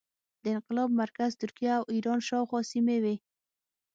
د انقلاب مرکز ترکیه او ایران شاوخوا سیمې وې.